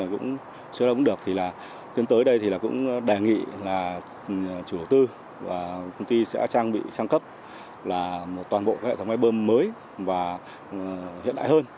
khiến tới đây cũng đề nghị chủ tư và công ty sẽ trang bị trang cấp toàn bộ hệ thống máy bơm mới và hiện đại hơn